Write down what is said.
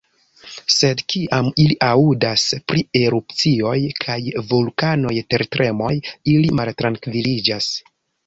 Sed kiam ili aŭdas pri erupcioj kaj vulkanaj tertremoj, ili maltrankviliĝas.